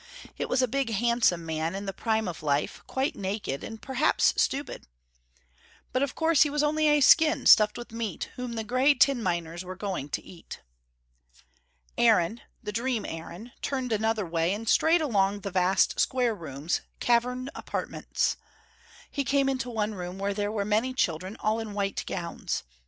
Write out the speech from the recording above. It was a big handsome man in the prime of life, quite naked and perhaps stupid. But of course he was only a skin stuffed with meat, whom the grey tin miners were going to eat. Aaron, the dream Aaron, turned another way, and strayed along the vast square rooms, cavern apartments. He came into one room where there were many children, all in white gowns.